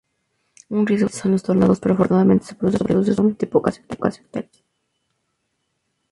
Un riesgo factible son los tornados, pero afortunadamente se producen sobre relativamente pocas hectáreas.